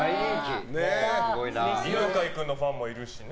犬飼君のファンもいますしね。